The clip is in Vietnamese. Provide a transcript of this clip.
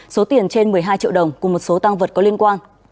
số tiền trên một mươi hai triệu đồng cùng một số tăng vật có liên quan